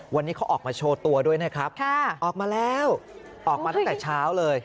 วันนี้เขาออกมาโชว์ตัวด้วยนะครับออกมาแล้วออกมาตั้งแต่เช้าเลย